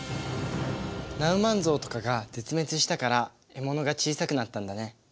ナウマンゾウとかが絶滅したから獲物が小さくなったんだね。